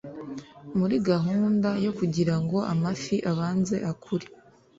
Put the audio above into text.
muri gahunda yo kugira ngo amafi abanze akure